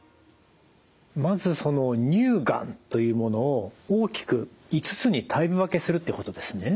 まずその乳がんというものを大きく５つにタイプ分けするということですね。